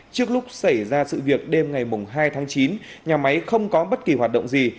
trước lúc xảy ra sự việc đêm ngày hai tháng chín nhà máy không có bất kỳ hoạt động gì